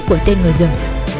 của tên người dân